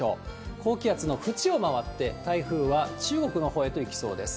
高気圧の縁を回って、台風は中国のほうへと行きそうです。